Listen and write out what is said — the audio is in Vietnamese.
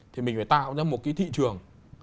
thì mình phải tạo ra một cái thị trường